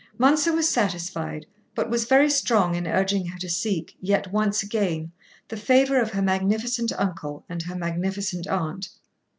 Mounser was satisfied, but was very strong in urging her to seek, yet once again, the favour of her magnificent uncle and her magnificent aunt.